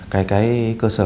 cái cơ sở